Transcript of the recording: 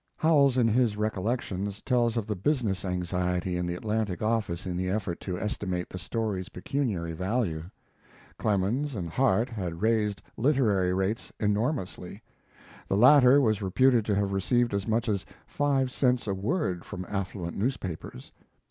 Howells in his Recollections tells of the business anxiety in the Atlantic office in the effort to estimate the story's pecuniary value. Clemens and Harte had raised literary rates enormously; the latter was reputed to have received as much as five cents a word from affluent newspapers!